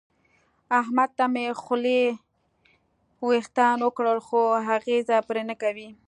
احمد ته مې خولې وېښتان وکړل خو اغېزه پرې نه کوي.